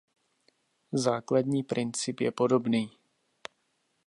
Základní princip je podobný.